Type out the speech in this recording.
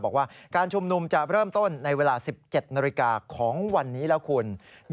บอกว่าการชุมนุมจะเริ่มต้นในเวลา๑๗นาฬิกาของวันนี้แล้วคุณ